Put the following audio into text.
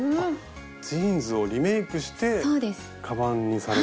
ジーンズをリメークしてカバンにされたと。